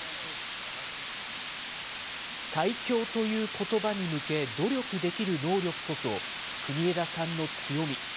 最強ということばに向け努力できる能力こそ、国枝さんの強み。